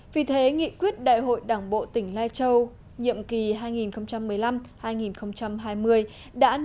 vì thế nghị quyết đại hội đảng bộ tỉnh lai châu nhiệm kỳ hai nghìn một mươi năm hai nghìn hai mươi